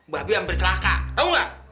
babi hampir celaka tau gak